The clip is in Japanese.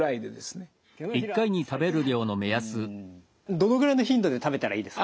どのぐらいの頻度で食べたらいいですか？